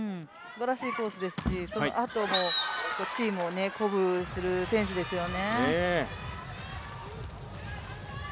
すばらしいコースですし、そのあともチームを鼓舞する選手ですよね。